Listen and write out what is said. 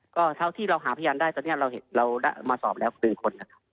ก็เท่าที่เราหาพยานได้ตอนนี้เรามาสอบแล้ว๑คนนะครับ